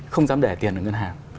không dám để tiền ở ngân hàng